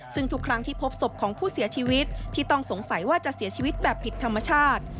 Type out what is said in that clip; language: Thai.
ซึ่งทุกครั้งที่พบศพของผู้เสียชีวิตที่ต้องสงสัยว่าจะเสียชีวิตแบบผิดธรรมชาติ